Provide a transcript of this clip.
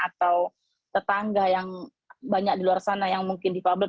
atau tetangga yang banyak di luar sana yang mungkin di publik